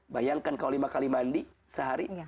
bayangkan kalau lima kali mandi sehari